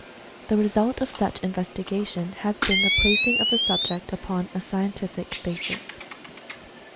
The result of such investigation has been the placing of the subject upon a "scientific" basis.